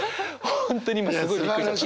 本当に今すごいびっくりしました。